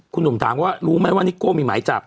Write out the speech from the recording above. คุณหนุ่มถามว่ารู้ไหมว่านิโก้มีหมายจับ